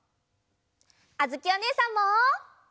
あづきおねえさんも！